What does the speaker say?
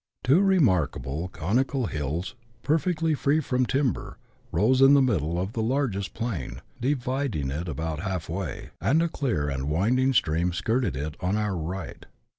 Two remarkable conical hills, perfectly free from timber, rose in the middle of the largest plain, dividing it about halfway, and a clear and winding stream skirted it on our right.